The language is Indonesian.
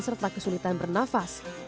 serta kesulitan bernafas